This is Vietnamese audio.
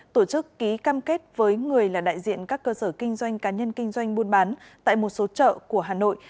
tổ chức ký cam kết với người là đại diện các cơ sở kinh doanh cá nhân kinh doanh buôn bán tại một số chợ của hà nội